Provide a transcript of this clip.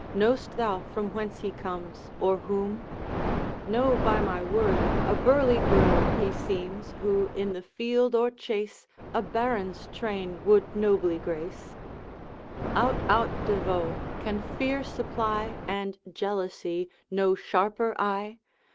Know'st thou from whence he comes, or whom?' 'No, by my word; a burly groom He seems, who in the field or chase A baron's train would nobly grace ' 'Out, out, De Vaux! can fear supply, And jealousy, no sharper eye?